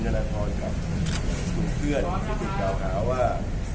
มีของคุณธนทรกับคุณเพื่อนคุณกล่าวขาวว่า